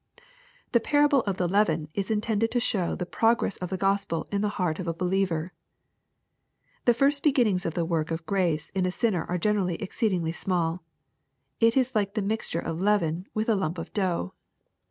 The parable of the leaven is intended to show the^ro gress of the Gospel in the heart of a believer. The first beginnings of the work of grace in a sinner are generally exceedingly small. It is like the mixture of leaven with a lump of dough.